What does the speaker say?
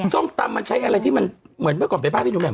ส้มตำมันใช้อะไรที่มันเหมือนเมื่อก่อนไปบ้านพี่หนูแหละ